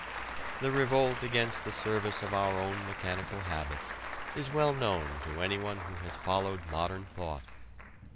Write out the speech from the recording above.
The revolt against the service of our own mechanical habits is well known to anyone who has followed modern thought.